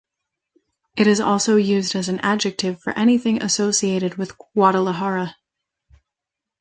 It is also used as an adjective for anything associated with Guadalajara.